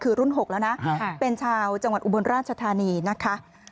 คือรุ่น๖แล้วนะเป็นชาวจังหวัดอุบลราชธานีนะคะ